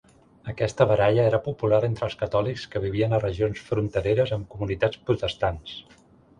Aquesta baralla era popular entre els catòlics que vivien a regions frontereres amb comunitats protestants.